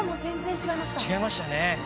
違いましたね。